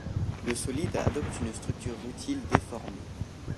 Le solide adopte une structure rutile déformée.